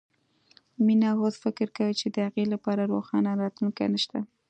مينه اوس فکر کوي چې د هغې لپاره روښانه راتلونکی نه شته